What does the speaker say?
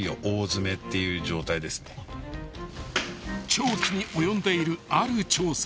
［長期に及んでいるある調査］